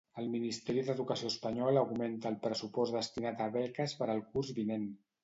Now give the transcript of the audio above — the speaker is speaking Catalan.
El ministeri d'Educació espanyol augmenta el pressupost destinat a beques per al curs vinent.